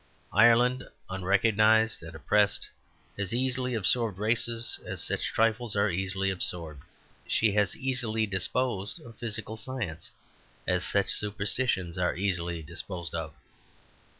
Ireland, unrecognized and oppressed, has easily absorbed races, as such trifles are easily absorbed. She has easily disposed of physical science, as such superstitions are easily disposed of.